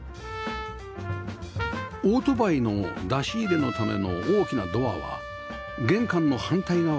オートバイの出し入れのための大きなドアは玄関の反対側